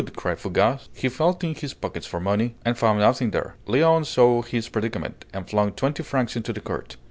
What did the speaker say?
cried Fougas. He felt in his pockets for money, and found nothing there. Léon saw his predicament, and flung twenty francs into the court.